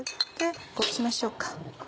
こうしましょうか。